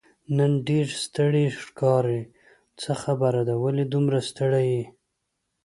نن ډېر ستړی ښکارې، څه خبره ده، ولې دومره ستړی یې؟